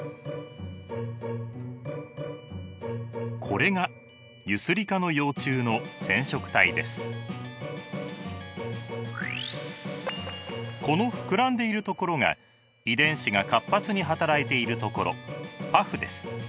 これがこの膨らんでいるところが遺伝子が活発に働いているところパフです。